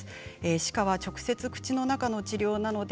歯科は直接口の中の治療なので